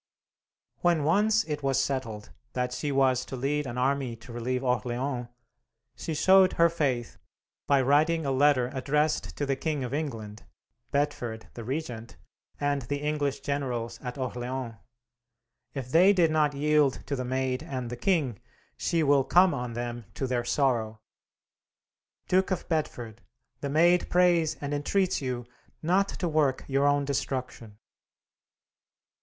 When once it was settled that she was to lead an army to relieve Orleans, she showed her faith by writing a letter addressed to the King of England, Bedford, the Regent, and the English generals at Orleans. If they did not yield to the Maid and the king, she will come on them to their sorrow. "Duke of Bedford, the Maid prays and entreats you not to work your own destruction!"